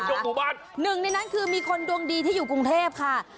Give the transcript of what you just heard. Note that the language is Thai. หนึ่งในนั้นคือมีคนดวงดีที่อยู่กรุงเทพฯค่ะ